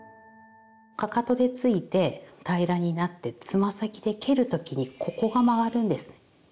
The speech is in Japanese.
かかとでついて平らになってつま先で蹴る時にここが曲がるんです。